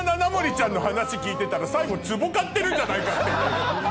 ちゃんの話聞いてたら最後壺買ってるんじゃないかっていう。